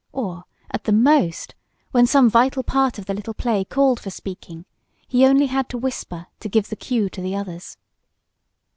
Or, at the most, when some vital part of the little play called for speaking, he had only to whisper to give the "cue" to the others.